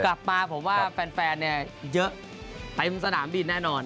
กลับมาผมว่าแฟนเนี่ยเยอะไปสนามบินแน่นอน